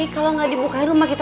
kalau nggak dibukain rumah kita